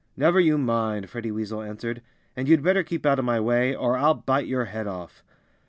"Never you mind," Freddie Weasel answered. "And you'd better keep out of my way, or I'll bite your head off."